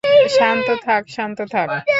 শান্ত থাক, শান্ত থাক।